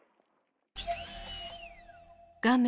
画面